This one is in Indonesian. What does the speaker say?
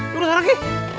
turun ke sana ki